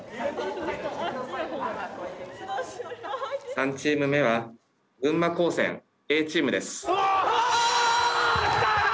３チーム目は群馬高専Ａチームです。